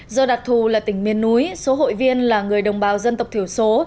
do đặc thù là tỉnh miền núi số hội viên là người đồng bào dân tộc thiểu số